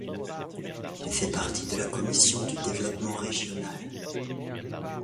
Il fait partie de la commission du développement régional.